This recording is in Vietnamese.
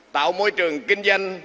tạo môi trường kinh doanh